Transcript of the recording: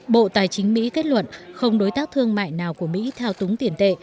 bộ tài chính mỹ kết luận không đối tác thương mại nào của mỹ thao túng tiền tệ